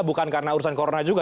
bukan karena urusan corona juga